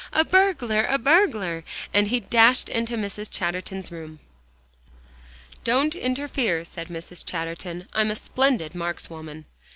"A burglar a burglar!" and he dashed into Mrs. Chatterton's room. "Don't interfere," said Mrs. Chatterton. "I'm a splendid markswoman."